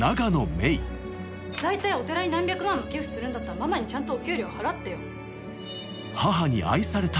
大体お寺に何百万も寄付するんだったらママにちゃんとお給料払ってよ。